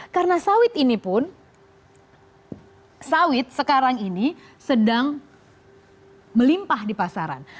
karena sawit ini pun sawit sekarang ini sedang melimpah di pasaran